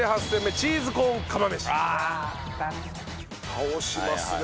倒しますね。